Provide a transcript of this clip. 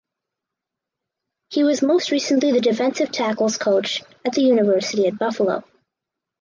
He was most recently the defensive tackles coach at the University at Buffalo.